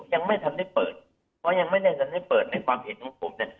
ยังไม่ทันได้เปิดเพราะยังไม่ได้เงินให้เปิดในความเห็นของผมเนี่ย